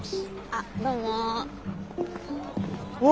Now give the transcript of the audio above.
あどうも。